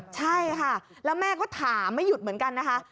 ใช่ค่ะแล้วแม่ก็ถามไม่หยุดเหมือนกันนะคะ